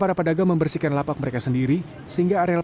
pasar pocong beroperasi setiap hari mulai pagi hingga sore hari